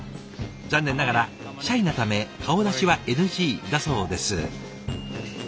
残念ながら「シャイなため顔出しはＮＧ」だそうです。